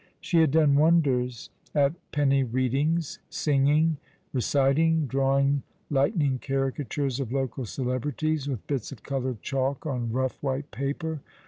She had done wonders at penny readings, singing, reciting, draw ing lightning caricatures of local celebrities with bits of coloured chalk on rough white paper.